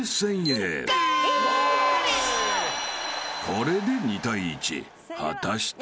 ［これで２対１果たして？］